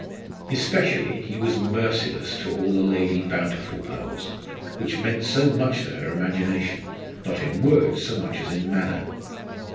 Especially was he merciless to all the Lady Bountiful pose, which meant so much to her imagination not in words so much as in manner.